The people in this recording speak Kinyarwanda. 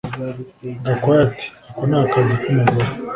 Gakwaya ati Ako ni akazi kumugore